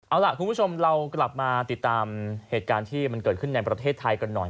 เอาล่ะคุณผู้ชมเรากลับมาติดตามเหตุการณ์ที่มันเกิดขึ้นในประเทศไทยกันหน่อย